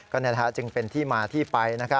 ก็นะคะจึงเป็นที่มาที่ไป